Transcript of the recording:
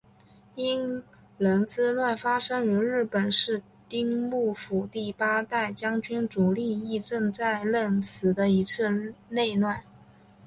应仁之乱发生于日本室町幕府第八代将军足利义政在任时的一次内乱。